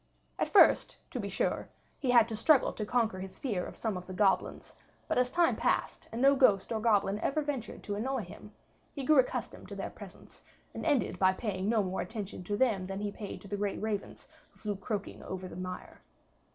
At first, to be sure, he had to struggle to conquer his fear of some of the goblins; but as time passed and no ghost or goblin ever ventured to annoy him, he grew accustomed to their presences and ended by paying no more attention to them than he paid to the great ravens who flew croaking over the mire.